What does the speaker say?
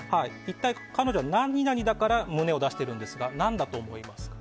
彼女は何々だから胸を出しているんですが何だと思いますか。